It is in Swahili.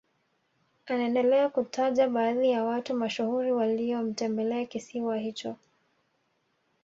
Anaendelea kutaja baadhi ya watu mashuhuri waliotembelea kisiwa hicho